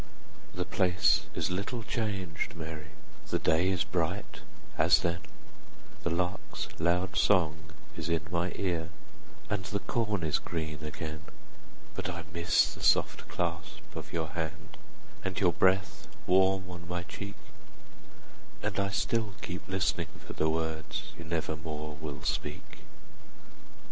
The place is little changed, Mary, The day is bright as then, 10 The lark's loud song is in my ear, And the corn is green again; But I miss the soft clasp of your hand, And your breath warm on my cheek, And I still keep list'ning for the words 15 You never more will speak.